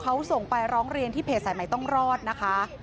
เขาส่งไปร้องเรียนที่เพจสายใหม่ต้องรอดนะคะ